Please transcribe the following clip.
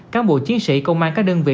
cán bộ chiến sĩ công an các đơn vị